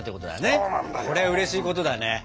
これはうれしいことだね。